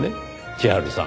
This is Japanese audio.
千春さん。